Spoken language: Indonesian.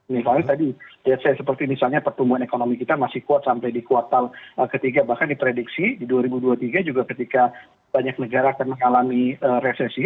misalnya tadi seperti misalnya pertumbuhan ekonomi kita masih kuat sampai di kuartal ketiga bahkan diprediksi di dua ribu dua puluh tiga juga ketika banyak negara akan mengalami resesi